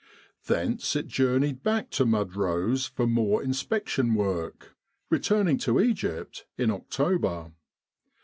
Thence it journeyed back to Mudros for more inspec tion work, returning to Egypt in October.